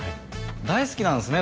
大好きなんですね